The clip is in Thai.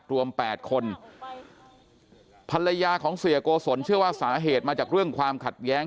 แปดคนภรรยาของเสียโกศลเชื่อว่าสาเหตุมาจากเรื่องความขัดแย้ง